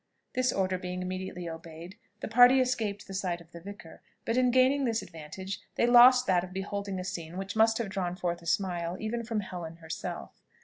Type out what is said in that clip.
This order being immediately obeyed, the party escaped the sight of the vicar; but in gaining this advantage they lost that of beholding a scene which must have drawn forth a smile, even from Helen herself.